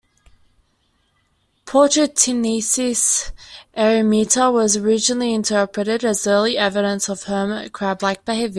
"Protichnites eremita" was originally interpreted as early evidence of hermit crab-like behavior.